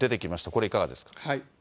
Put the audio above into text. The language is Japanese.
これいかがですか。